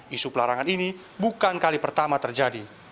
isu pelarangan ini bukan kali pertama terjadi